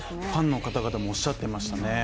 ファンの方々もおっしゃってましたね